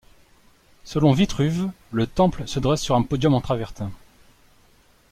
Selon Vitruve, le temple se dresse sur un podium en travertin.